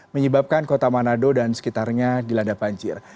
menyebabkan kota manado dan sekitarnya dilanda banjir